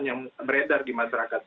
yang beredar di masyarakat